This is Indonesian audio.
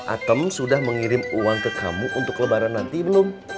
atem sudah mengirim uang ke kamu untuk lebaran nanti belum